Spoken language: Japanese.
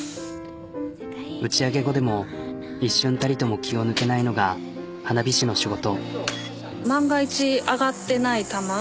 打ち上げ後でも一瞬たりとも気を抜けないのが花火師の仕事。